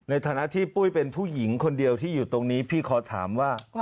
ในฐานะที่ปุ้ยเป็นผู้หญิงคนเดียวที่อยู่ตรงนี้พี่ขอถามว่า